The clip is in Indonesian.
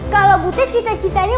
kalau butir cita citanya